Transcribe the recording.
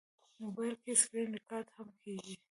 موبایل کې سکرینریکارډ هم کېږي.